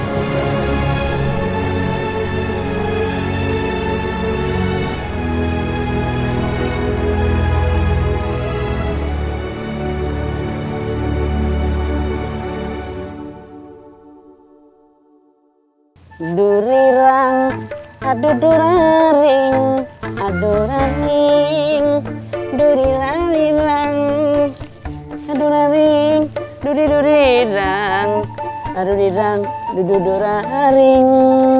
kapan juga mah akan siap